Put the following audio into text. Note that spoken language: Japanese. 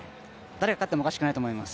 誰が勝ってもおかしくないと思います。